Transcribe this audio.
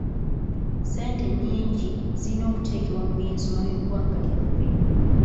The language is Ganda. Ssente ennyingi zirina okuteekebwa mu by'ensoma by'eggwanga lyaffe.